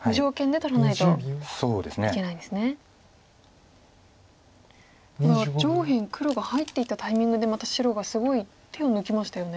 ただ上辺黒が入っていったタイミングでまた白がすごい手を抜きましたよね。